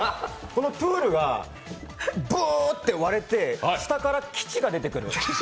このプールがブーッて割れて、下から基地が出てくる。